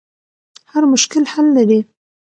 هر مشکل حل لري.